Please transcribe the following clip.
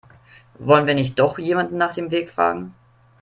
Wollen wir nicht doch jemanden nach dem Weg fragen?